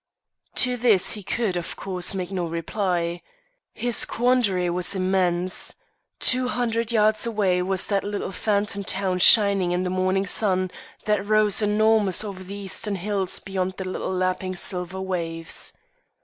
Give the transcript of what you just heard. To this he could, of course, make no reply. His quandary was immense. Two hundred yards away was that white phantom town shining in the morning sun that rose enormous over the eastern hills beyond the little lapping silver waves.